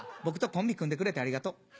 僕とコンビ組んでくれてありがとう。